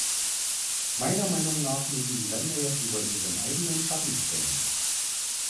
Meiner Meinung nach müssen die Länder jetzt über ihren eigenen Schatten springen.